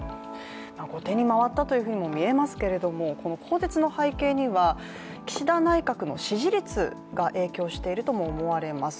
後手に回ったともみえますけれどもこの更迭の背景には、岸田内閣の支持率が影響しているとも思われます。